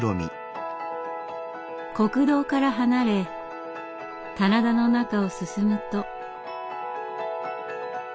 国道から離れ棚田の中を進むと。